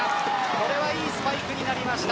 これはいいスパイクになりました